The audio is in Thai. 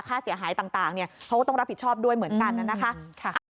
ค่าเสียหายต่างเขาก็ต้องรับผิดชอบด้วยเหมือนกันนะคะ